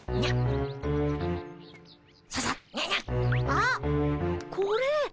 あっこれ。